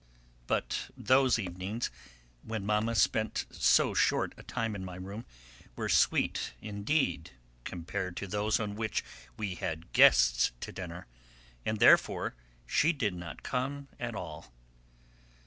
But those evenings on which Mamma stayed so short a time in my room were sweet indeed compared to those on which we had guests to dinner, and therefore she did not come at all.